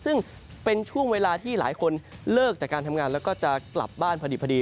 ซึ่งเป็นช่วงเวลาที่หลายคนเลิกจากการทำงานแล้วก็จะกลับบ้านพอดี